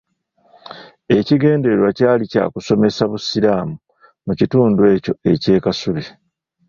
Ekigendererwa kyali kya kusomesa busiraamu mu kitundu ekyo eky'e Kasubi.